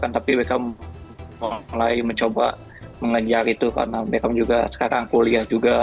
tapi beckham mulai mencoba mengejar itu karena beckham juga sekarang kuliah juga